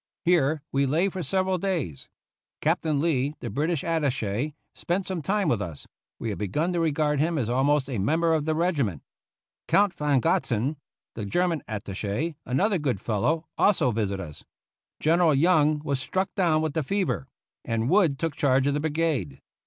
Here we lay for several days. Captain Lee, the British attache, spent some time with us ; we had begun to regard him as almost a member of the regiment. Count von Gotzen, the German attache, another good fellow, also visited us. General Young was struck down with the fever, and Wood took charge of the brigade.